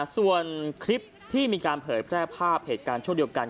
ส่วนคลิปที่มีการเผยแพร่ภาพเหตุการณ์ช่วงเดียวกัน